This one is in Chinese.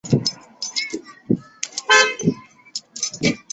鲍博什德布雷泰。